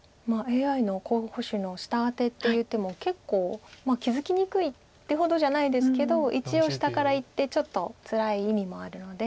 ＡＩの候補手の下アテっていう手も結構気付きにくいってほどじゃないですけど一応下からいってちょっとつらい意味もあるので。